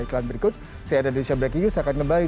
iklan berikut cnn indonesia breaking news akan kembali